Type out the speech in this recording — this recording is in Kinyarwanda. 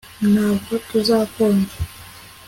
Ntabwo tuzakonja